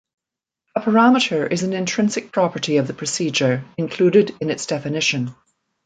A parameter is an intrinsic property of the procedure, included in its definition.